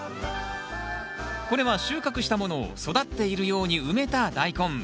これは収穫したものを育っているように埋めたダイコン。